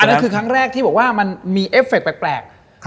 นั่นคือครั้งแรกที่บอกว่ามันมีเอฟเฟคแปลก